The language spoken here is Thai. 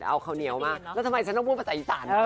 เอาข้าวเหนียวใส่ไข่